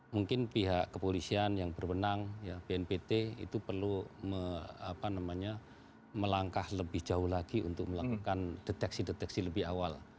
mungkin pihak kepolisian yang berwenang bnpt itu perlu melangkah lebih jauh lagi untuk melakukan deteksi deteksi lebih awal